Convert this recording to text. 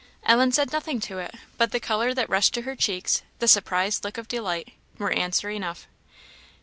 Ellen said nothing to it, but the colour that rushed to her cheeks the surprised look of delight were answer enough.